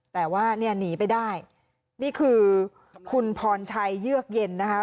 แต่ว่าเนี่ยหนีไปได้นี่คือคุณพรชัยเยือกเย็นนะคะ